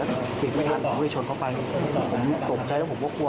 แล้วเปลี่ยนไม่ทันของผู้โดยชนเข้าไปผมตกใจแล้วผมก็กลัว